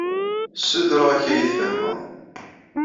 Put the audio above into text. Ssutureɣ-ak ad iyi-tfehmeḍ!